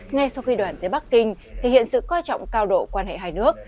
ngay sau khi đoàn tới bắc kinh thể hiện sự coi trọng cao độ quan hệ hai nước